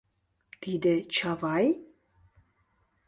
— Тиде — Чавай?